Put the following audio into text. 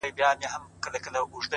ما له یوې هم یوه ښه خاطره و نه لیده،